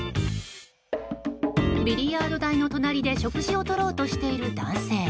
ビリヤード台の隣で食事をとろうとしている男性。